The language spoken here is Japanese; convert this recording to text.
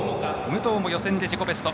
武藤も予選で自己ベスト。